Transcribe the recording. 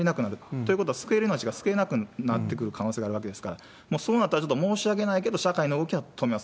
ということは、救える命が救えなくなってくる可能性があるわけですから、もうそうなったらちょっと申し訳ないけれども、社会の動きは止めます。